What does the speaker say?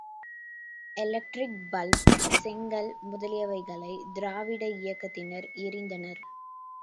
Electric bulb, செங்கல் முதலியவைகளை திராவிட இயக்கத்தினர் எறிந்தனர்.